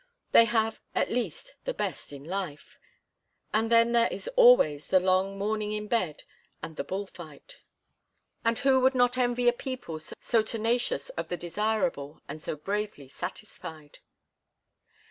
They have, at least, the best in life; and then there is always the long morning in bed and the bull fight. And who would not envy a people so tenacious of the desirable and so bravely satisfied?